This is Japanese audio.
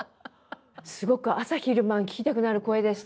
すごく朝昼晩聞きたくなる声でした。